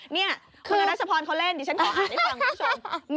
นี่คือรัชพรเขาเล่นดิฉันขออ่านให้ฟังคุณผู้ชม